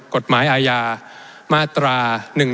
กฎหมายอาญามาตรา๑๑๒